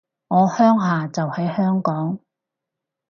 我鄉下就喺香港